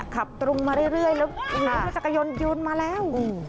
ขับตรงมาเรื่อยแล้วมีรถจักรยานยนต์ยืนมาแล้ว